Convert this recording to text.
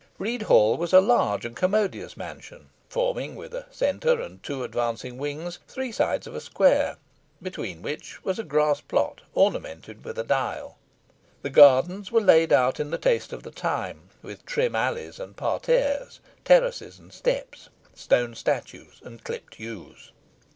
Read Hall was a large and commodious mansion, forming, with a centre and two advancing wings, three sides of a square, between which was a grass plot ornamented with a dial. The gardens were laid out in the taste of the time, with trim alleys and parterres, terraces and steps, stone statues, and clipped yews.